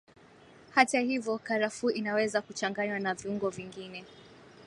Hata hivyo karafuu inaweza kuchanganywa na viungo vingine